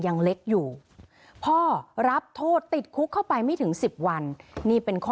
ยังเล็กอยู่พ่อรับโทษติดคุกเข้าไปไม่ถึง๑๐วันนี่เป็นข้อ